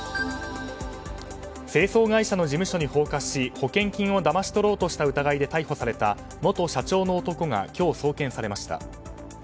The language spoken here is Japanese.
清掃会社の事務所に放火し保険金をだまし取ろうとした疑いで逮捕された元社長の男が今日、送検されました。